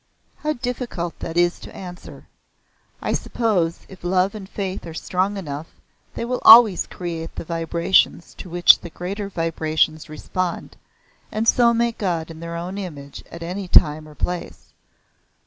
"How difficult that is to answer. I suppose if love and faith are strong enough they will always create the vibrations to which the greater vibrations respond, and so make God in their own image at any time or place.